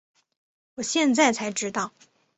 我现在才知道